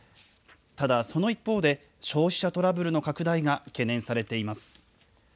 ただ、その一方で、消費者トラブルの拡大が懸念されています。